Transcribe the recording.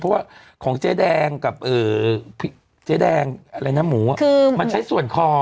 เพราะว่าของเจ๊แดงกับเจ๊แดงอะไรนะหมูคือมันใช้ส่วนคอ